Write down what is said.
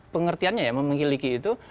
pengertiannya ya menghiliki itu